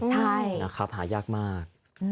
ใช่หาอยากมาก